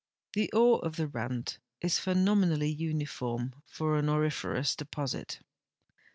The ore of the Rand is phenomenally uniform for an auriferous deposit.